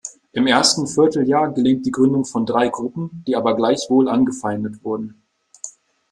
Im ersten Vierteljahr gelingt die Gründung von drei Gruppen, die aber gleichwohl angefeindet wurden.